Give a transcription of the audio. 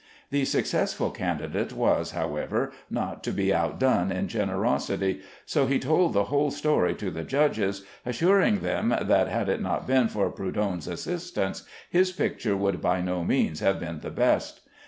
The successful candidate was, however, not to be outdone in generosity, so he told the whole story to the judges, assuring them that had it not been for Prudhon's assistance, his picture would by no means have been the best.